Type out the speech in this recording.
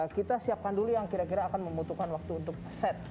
kita siapkan dulu yang kira kira akan membutuhkan waktu untuk aset